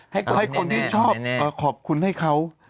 ให้คนที่ชอบขอบคุณให้เขา